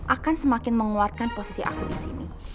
akan semakin menguatkan posisi aku di sini